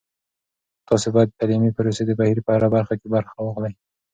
تاسې باید د تعلیمي پروسې د بهیر په هره برخه کې برخه واخلئ.